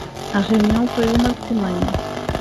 A reunión foi unha artimaña.